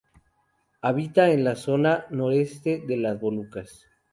Habita en la zona norte de las Molucas.